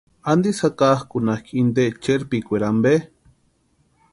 ¿Antisï jakakakʼunhakʼi inte cherpikwaeri ampe?